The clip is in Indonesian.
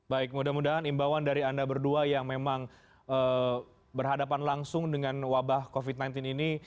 baik mudah mudahan imbauan dari anda berdua yang memang berhadapan langsung dengan wabah covid sembilan belas ini